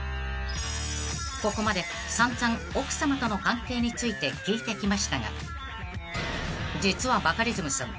［ここまで散々奥さまとの関係について聞いてきましたが実はバカリズムさん